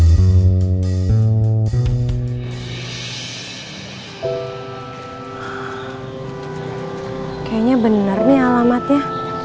kayaknya bener nih alamatnya